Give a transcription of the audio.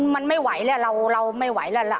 มันไม่ไหวแล้วเราไม่ไหวแล้วล่ะ